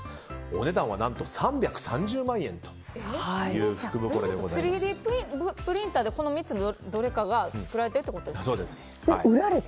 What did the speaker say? お値段は何と３３０万円という３Ｄプリンターでこの３つのどれかが作られてるってことですか？